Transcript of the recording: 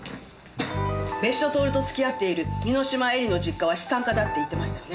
別所透と付き合っている簑島絵里の実家は資産家だって言ってましたよね？